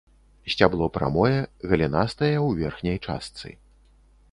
Сцябло прамое, галінастае ў верхняй частцы.